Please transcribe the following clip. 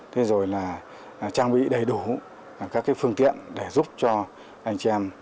và trang bị đầy đủ các phương tiện để giúp cho anh chém